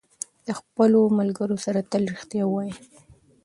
له خپلو ملګرو سره تل رښتیا ووایئ.